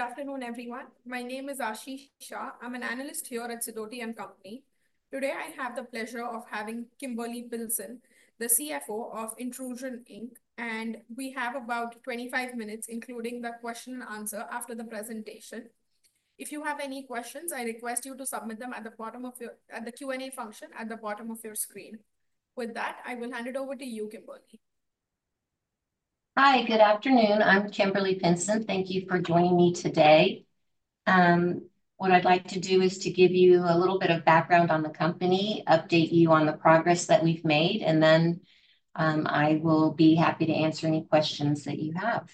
Good afternoon, everyone. My name is Aashi Shah. I'm an analyst here at Sidoti & Company. Today, I have the pleasure of having Kimberly Pinson, the CFO of Intrusion Inc., and we have about 25 minutes, including the question and answer after the presentation. If you have any questions, I request you to submit them at the Q&A function at the bottom of your screen. With that, I will hand it over to you, Kimberly. Hi, good afternoon. I'm Kimberly Pinson. Thank you for joining me today. What I'd like to do is to give you a little bit of background on the company, update you on the progress that we've made, and then, I will be happy to answer any questions that you have.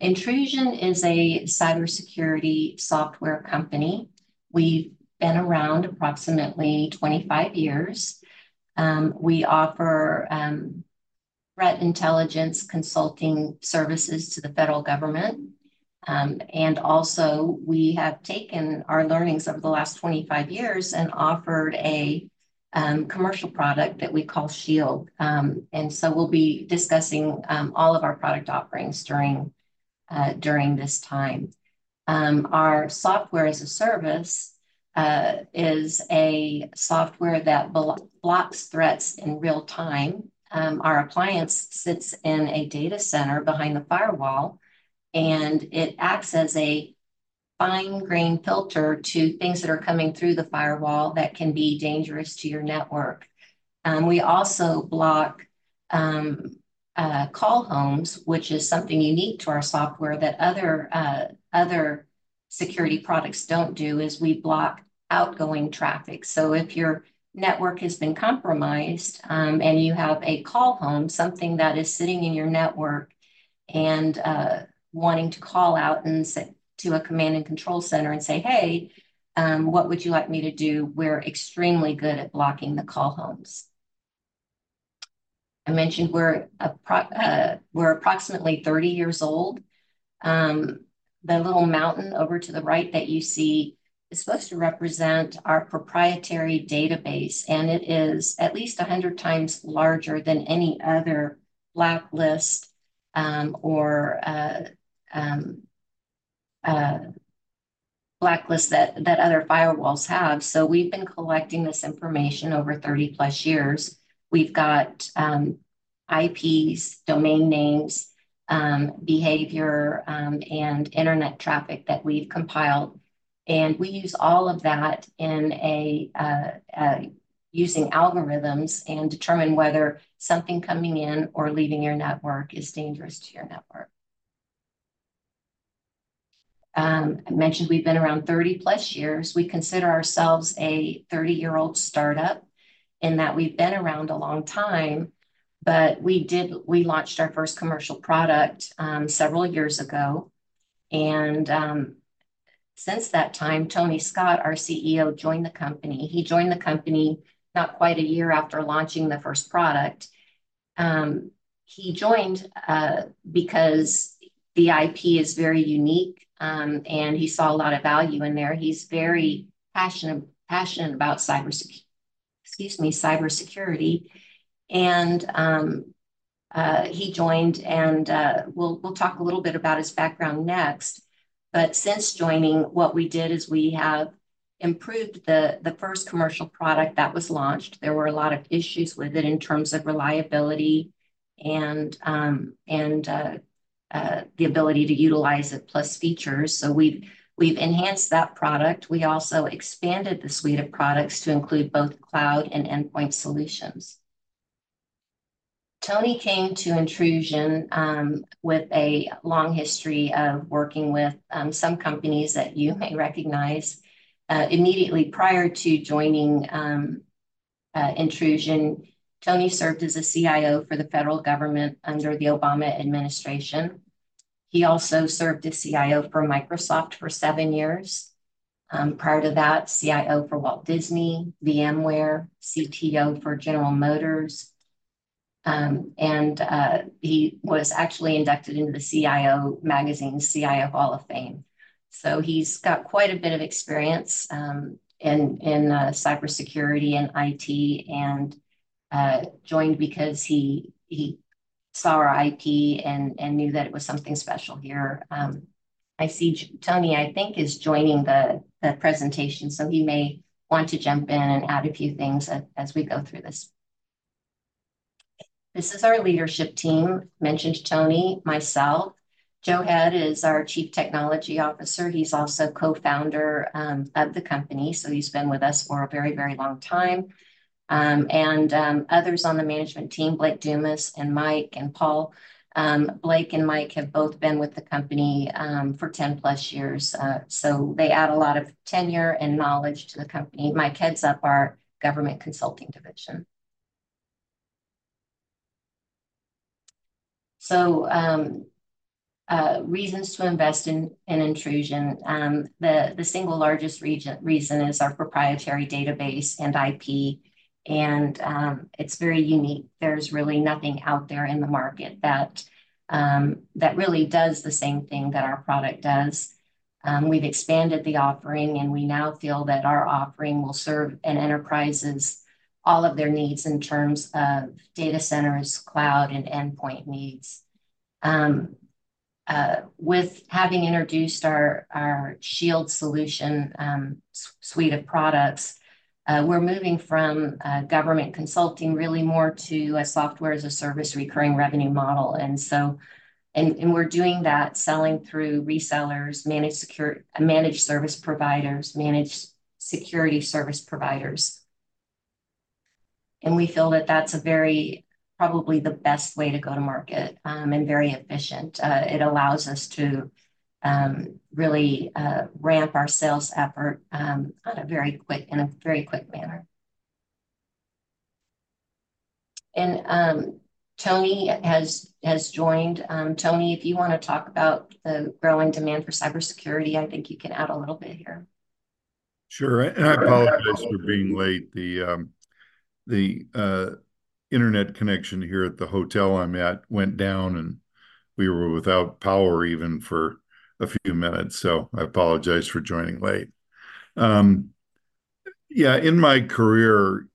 Intrusion is a cybersecurity software company. We've been around approximately 25 years. We offer threat intelligence consulting services to the federal government. And also, we have taken our learnings over the last 25 years and offered a commercial product that we call Shield. And so we'll be discussing all of our product offerings during this time. Our software as a service is a software that blocks threats in real time. Our appliance sits in a data center behind the firewall, and it acts as a fine-grained filter to things that are coming through the firewall that can be dangerous to your network. We also block call homes, which is something unique to our software that other security products don't do, is we block outgoing traffic. So if your network has been compromised, and you have a call home, something that is sitting in your network and wanting to call out and say... to a command and control center and say, "Hey, what would you like me to do?" We're extremely good at blocking the call homes. I mentioned we're appro..., we're approximately 30 years old. The little mountain over to the right that you see is supposed to represent our proprietary database, and it is at least 100 times larger than any other blacklist or blacklists that other firewalls have. So we've been collecting this information over 30+ years. We've got IPs, domain names, behavior, and Internet Traffic that we've compiled, and we use all of that using algorithms, and determine whether something coming in or leaving your network is dangerous to your network. I mentioned we've been around 30+ years. We consider ourselves a 30-year-old startup in that we've been around a long time, but we launched our first commercial product several years ago, and since that time, Tony Scott, our CEO, joined the company. He joined the company not quite a year after launching the first product. He joined because the IP is very unique, and he saw a lot of value in there. He's very passionate about cybersecurity. He joined, and we'll talk a little bit about his background next. Since joining, what we did is we have improved the first commercial product that was launched. There were a lot of issues with it in terms of reliability and the ability to utilize it, plus features, so we've enhanced that product. We also expanded the suite of products to include both cloud and endpoint solutions. Tony came to Intrusion with a long history of working with some companies that you may recognize. Immediately prior to joining Intrusion, Tony served as a CIO for the federal government under the Obama administration. He also served as CIO for Microsoft for seven years. Prior to that, CIO for Walt Disney, VMware, CTO for General Motors. And he was actually inducted into the CIO Magazine's CIO Hall of Fame. So he's got quite a bit of experience in cybersecurity and IT, and joined because he saw our IP and knew that it was something special here. I see Tony, I think, is joining the presentation, so he may want to jump in and add a few things as we go through this. This is our leadership team. Mentioned Tony, myself. Joe Head is our Chief Technology Officer. He's also co-founder of the company, so he's been with us for a very, very long time. Others on the management team, Blake Dumas, and Mike, and Paul. Blake and Mike have both been with the company for 10+ years, so they add a lot of tenure and knowledge to the company. Mike heads up our government consulting division. Reasons to invest in Intrusion. The single largest reason is our proprietary database and IP, and it's very unique. There's really nothing out there in the market that really does the same thing that our product does. We've expanded the offering, and we now feel that our offering will serve an enterprise's all of their needs in terms of data centers, cloud, and endpoint needs. With having introduced our Shield solution, suite of products, we're moving from government consulting really more to a software-as-a-service recurring revenue model. And so and, we're doing that selling through resellers, managed service providers, managed security service providers. And we feel that that's a very... probably the best way to go to market, and very efficient. It allows us to really ramp our sales effort in a very quick manner. And Tony has joined. Tony, if you wanna talk about the growing demand for cybersecurity, I think you can add a little bit here. Sure, and I apologize for being late. The Internet connection here at the hotel I'm at went down, and we were without power even for a few minutes, so I apologize for joining late. In my career,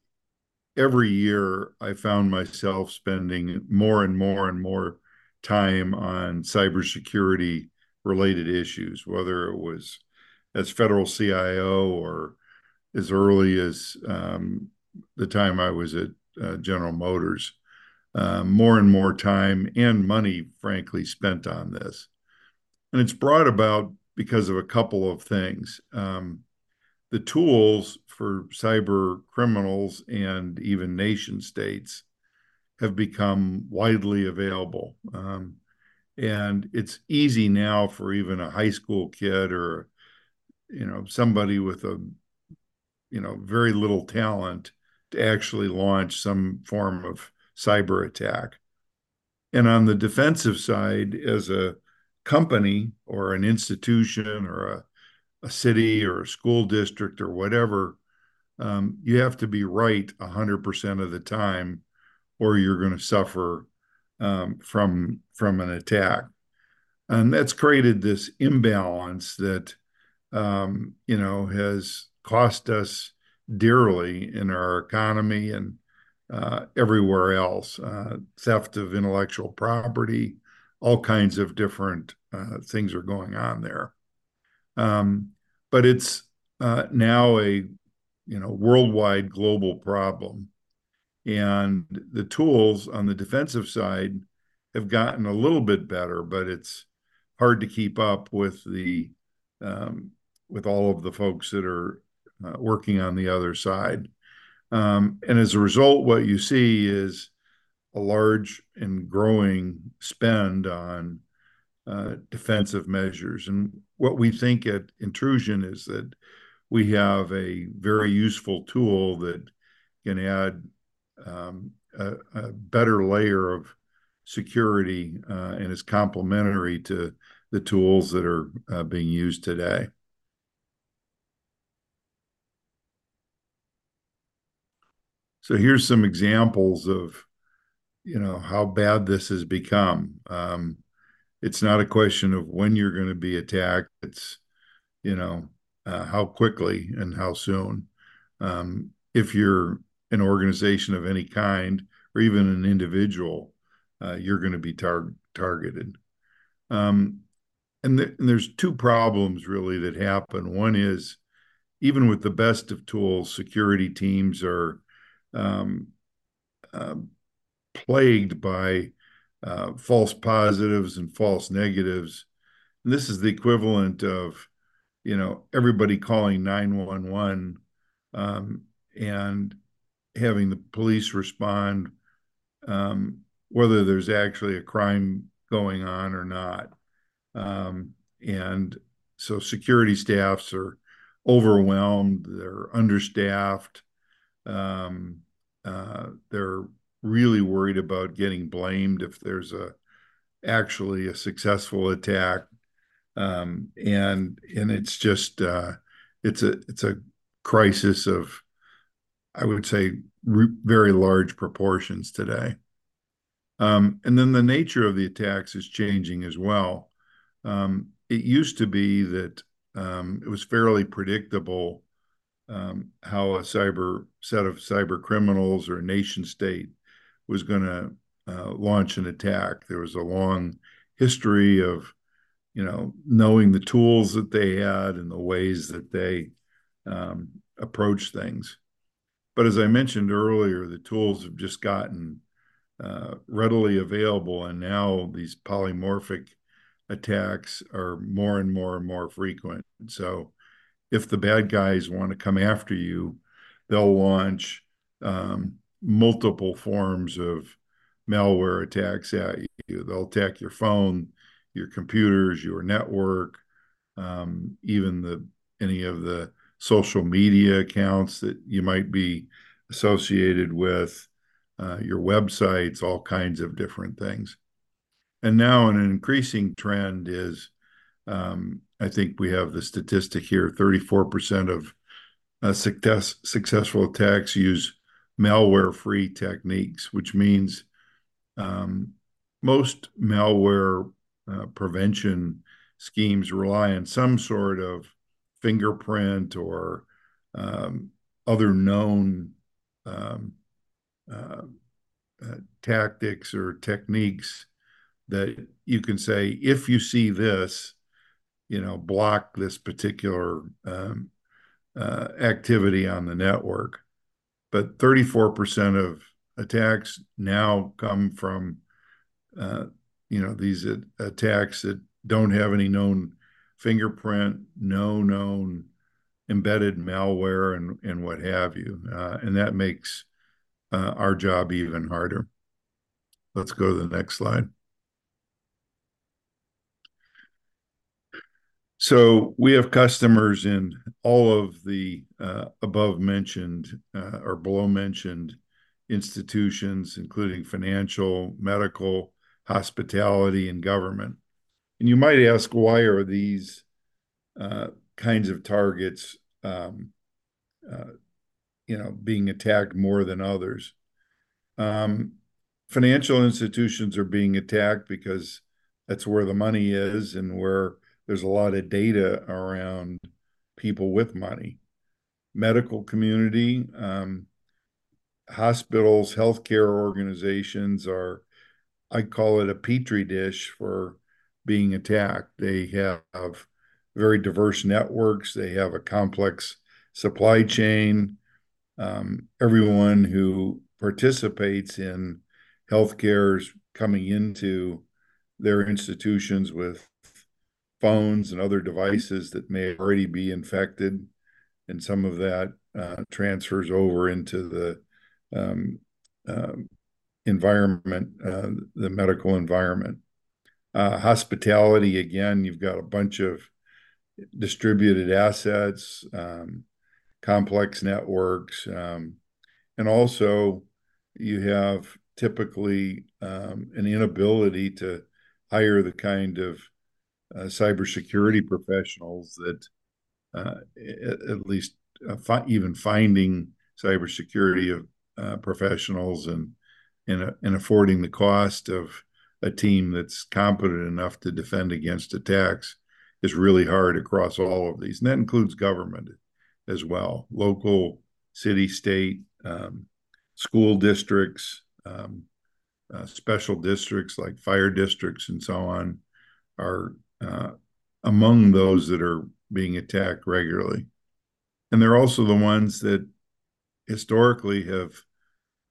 every year, I found myself spending more, and more, and more time on cybersecurity-related issues, whether it was as Federal CIO or as early as the time I was at General Motors. More and more time and money, frankly, spent on this, and it's brought about because of a couple of things. The tools for cybercriminals and even nation-states have become widely available. And it's easy now for even a high school kid or, you know, somebody with a, you know, very little talent to actually launch some form of cyberattack. On the defensive side, as a company, or an institution, or a city, or a school district, or whatever, you have to be right 100% of the time, or you're gonna suffer from an attack. That's created this imbalance that, you know, has cost us dearly in our economy and everywhere else. Theft of intellectual property, all kinds of different things are going on there. But it's now a, you know, worldwide global problem, and the tools on the defensive side have gotten a little bit better, but it's hard to keep up with all of the folks that are working on the other side. As a result, what you see is a large and growing spend on defensive measures. What we think at Intrusion is that we have a very useful tool that can add a better layer of security and is complementary to the tools that are being used today. Here's some examples of, you know, how bad this has become. It's not a question of when you're gonna be attacked, it's, you know, how quickly and how soon. If you're an organization of any kind or even an individual, you're gonna be targeted. There's two problems really that happen. One is, even with the best of tools, security teams are plagued by false positives and false negatives. This is the equivalent of, you know, everybody calling 911 and having the police respond whether there's actually a crime going on or not. So security staffs are overwhelmed. They're understaffed. They're really worried about getting blamed if there's actually a successful attack. It's just... it's a crisis of, I would say, very large proportions today. Then the nature of the attacks is changing as well. It used to be that it was fairly predictable how a set of cybercriminals or a nation-state was gonna launch an attack. There was a long history of, you know, knowing the tools that they had and the ways that they approached things. But as I mentioned earlier, the tools have just gotten readily available, and now these polymorphic attacks are more and more and more frequent. So if the bad guys wanna come after you, they'll launch multiple forms of malware attacks at you. They'll attack your phone, your computers, your network, even any of the social media accounts that you might be associated with, your websites, all kinds of different things. And now, an increasing trend is, I think we have the statistic here: 34% of successful attacks use malware-free techniques, which means most malware prevention schemes rely on some sort of fingerprint or other known tactics or techniques that you can say, "If you see this, you know, block this particular activity on the network." But 34% of attacks now come from, you know, these attacks that don't have any known fingerprint, no known embedded malware and what have you. And that makes our job even harder. Let's go to the next slide. So we have customers in all of the above mentioned or below mentioned institutions, including financial, medical, hospitality, and government. And you might ask, why are these kinds of targets, you know, being attacked more than others? Financial institutions are being attacked because that's where the money is and where there's a lot of data around people with money. Medical community, hospitals, healthcare organizations are... I'd call it a Petri dish for being attacked. They have very diverse networks. They have a complex supply chain. Everyone who participates in healthcare is coming into their institutions with phones and other devices that may already be infected, and some of that transfers over into the environment, the medical environment. Hospitality, again, you've got a bunch of distributed assets, complex networks, and also you have typically an inability to hire the kind of cybersecurity professionals that even finding cybersecurity professionals and affording the cost of a team that's competent enough to defend against attacks is really hard across all of these, and that includes government as well. Local city, state, school districts, special districts like fire districts and so on, are among those that are being attacked regularly. And they're also the ones that historically have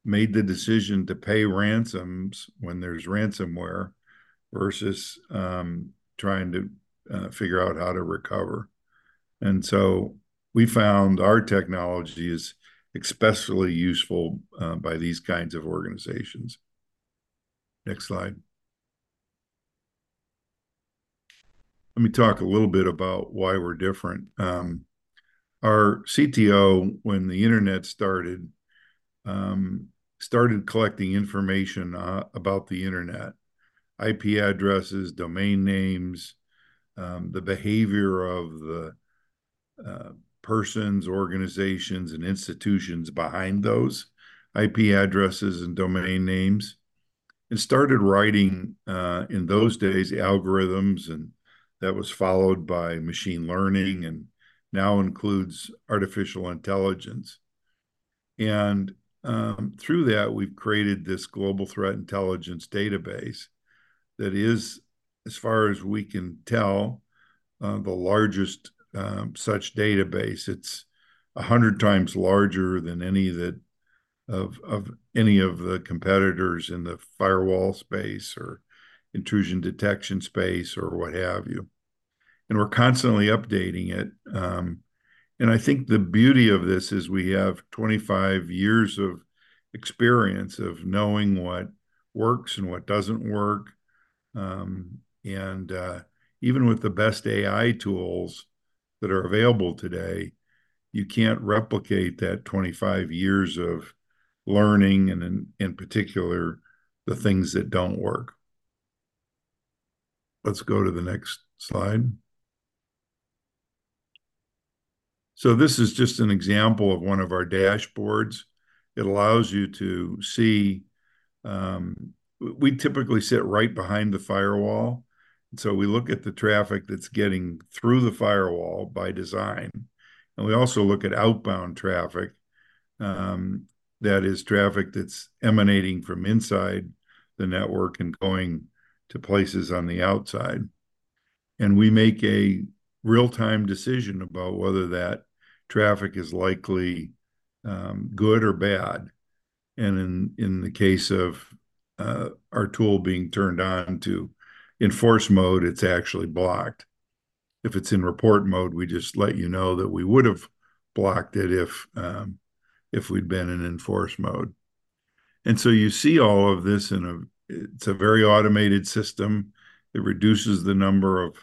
made the decision to pay ransoms when there's ransomware, versus trying to figure out how to recover. And so we found our technology is especially useful by these kinds of organizations. Next slide. Let me talk a little bit about why we're different. Our CTO, when the Internet started, started collecting information about the Internet, IP addresses, domain names, the behavior of the persons, organizations, and institutions behind those IP addresses and domain names, and started writing, in those days, algorithms, and that was followed by machine learning, and now includes artificial intelligence. And, through that, we've created this global threat intelligence database that is, as far as we can tell, the largest such database. It's 100 times larger than any that of any of the competitors in the firewall space or intrusion detection space, or what have you, and we're constantly updating it. And I think the beauty of this is we have 25 years of experience of knowing what works and what doesn't work. And even with the best AI tools that are available today, you can't replicate that 25 years of learning, and in particular, the things that don't work. Let's go to the next slide. This is just an example of one of our dashboards. It allows you to see. We typically sit right behind the firewall, so we look at the traffic that's getting through the firewall by design, and we also look at outbound traffic, that is, traffic that's emanating from inside the network and going to places on the outside. And we make a real-time decision about whether that traffic is likely good or bad. And in the case of our tool being turned on to enforce mode, it's actually blocked. If it's in report mode, we just let you know that we would have blocked it if, if we'd been in enforce mode. So you see all of this. It's a very automated system. It reduces the number of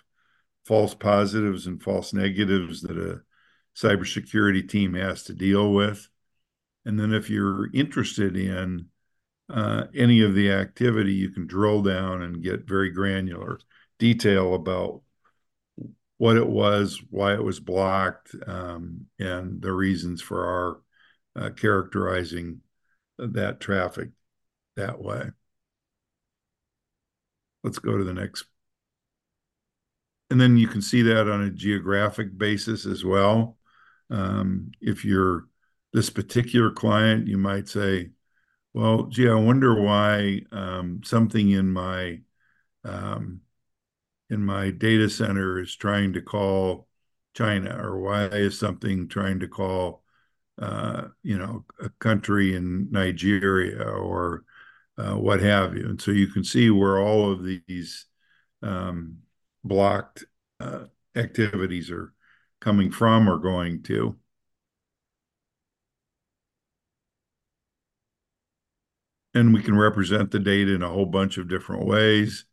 false positives and false negatives that a cybersecurity team has to deal with. And then, if you're interested in any of the activity, you can drill down and get very granular detail about what it was, why it was blocked, and the reasons for our characterizing that traffic that way. Let's go to the next. Then you can see that on a geographic basis as well. If you're this particular client, you might say, "Well, gee, I wonder why something in my data center is trying to call China, or why is something trying to call, you know, a country in Nigeria, or what have you?" And so you can see where all of these blocked activities are coming from or going to. And we can represent the data in a whole bunch of different ways.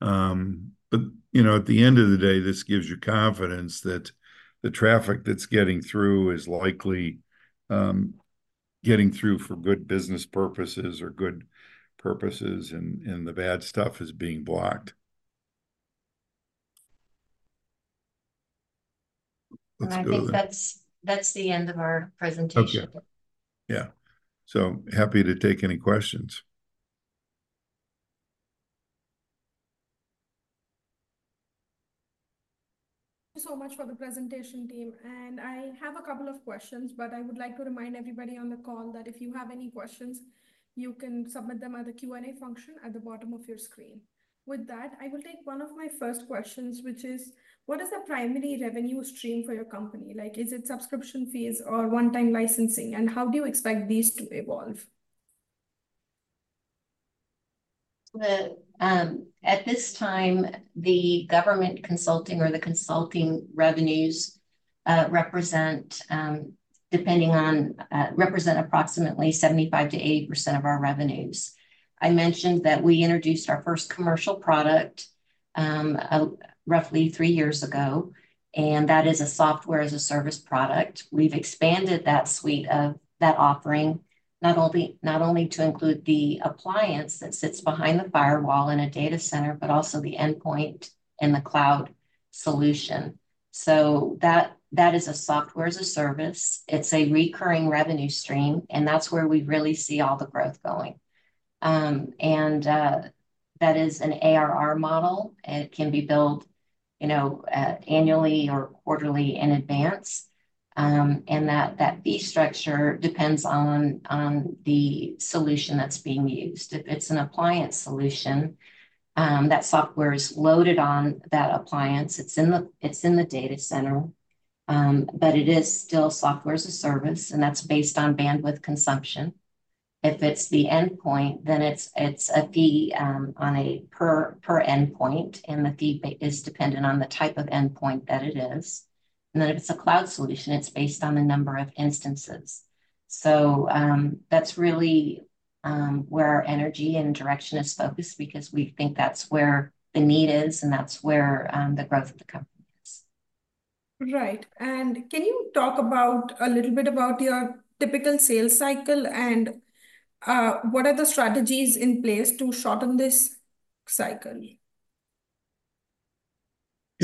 But you know, at the end of the day, this gives you confidence that the traffic that's getting through is likely getting through for good business purposes or good purposes, and the bad stuff is being blocked. Let's go to the- I think that's, that's the end of our presentation. Okay. Yeah. So happy to take any questions. Thank you so much for the presentation, team, and I have a couple of questions, but I would like to remind everybody on the call that if you have any questions, you can submit them on the Q&A function at the bottom of your screen. With that, I will take one of my first questions, which is: what is the primary revenue stream for your company? Like, is it subscription fees or one-time licensing, and how do you expect these to evolve? At this time, the government consulting or the consulting revenues represent approximately 75%-80% of our revenues. I mentioned that we introduced our first commercial product roughly three years ago, and that is a software as a service product. We've expanded that suite of, that offering, not only, not only to include the appliance that sits behind the firewall in a data center, but also the endpoint in the cloud solution. So that, that is a software as a service. It's a recurring revenue stream, and that's where we really see all the growth going. And that is an ARR model, and it can be billed, you know, annually or quarterly in advance. And that, that fee structure depends on, on the solution that's being used. If it's an appliance solution, that software is loaded on that appliance. It's in the, it's in the data center, but it is still software as a service, and that's based on bandwidth consumption. If it's the endpoint, then it's, it's a fee on a per, per endpoint, and the fee is dependent on the type of endpoint that it is. And then if it's a cloud solution, it's based on the number of instances. So, that's really where our energy and direction is focused because we think that's where the need is, and that's where the growth of the company is. Right. And can you talk about... a little bit about your typical sales cycle, and what are the strategies in place to shorten this cycle? Yeah-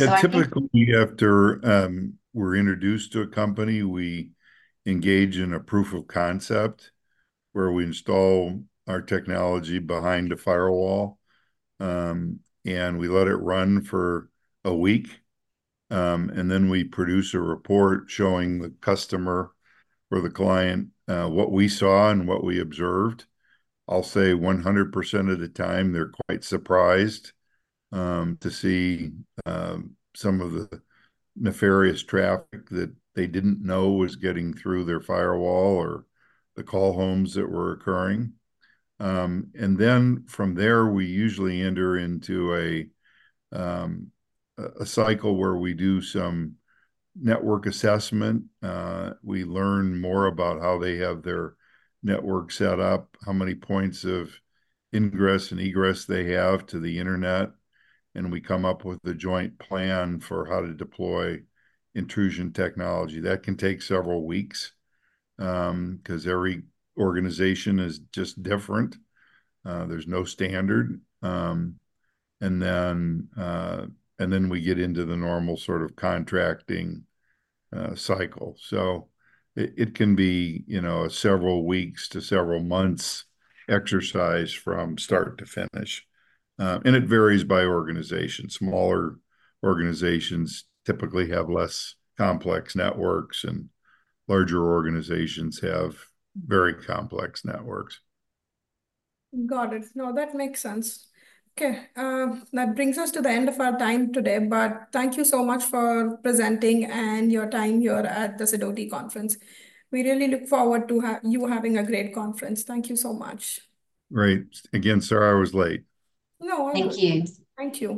So I think-... typically, after, we're introduced to a company, we engage in a proof of concept, where we install our technology behind the firewall, and we let it run for a week. And then we produce a report showing the customer or the client, what we saw and what we observed. I'll say 100% of the time, they're quite surprised to see some of the nefarious traffic that they didn't know was getting through their firewall or the call homes that were occurring. And then from there, we usually enter into a cycle where we do some network assessment. We learn more about how they have their network set up, how many points of ingress and egress they have to the internet, and we come up with a joint plan for how to deploy Intrusion technology. That can take several weeks, 'cause every organization is just different. There's no standard. And then, and then we get into the normal sort of contracting, cycle. So it, it can be, you know, several weeks to several months exercise from start to finish. And it varies by organization. Smaller organizations typically have less complex networks, and larger organizations have very complex networks. Got it. No, that makes sense. Okay, that brings us to the end of our time today, but thank you so much for presenting and your time here at the Sidoti Conference. We really look forward to you having a great conference. Thank you so much. Great. Again, sorry I was late. No. Thank you. Thank you.